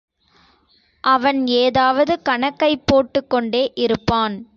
அவன் ஏதாவது கணக்கைப் போட்டுக் கொண்டே இருப்பான்.